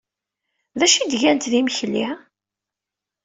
D acu ay d-gant d imekli?